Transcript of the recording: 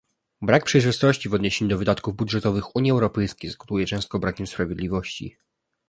Brak przejrzystości w odniesieniu do wydatków budżetowych Unii Europejskiej skutkuje często brakiem sprawiedliwości